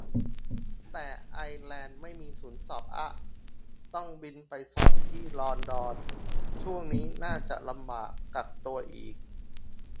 แต่ไอร์แลนด์ไม่มีศูนย์สอบอะ ต้องบินไปสอบที่ลอนดอน ช่วงนี้น่าจะลำบาก กักตัวอีก